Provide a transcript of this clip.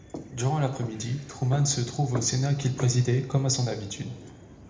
Durant l'après-midi, Truman se trouve au Sénat qu'il présidait comme à son habitude.